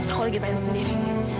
aku lagi main sendiri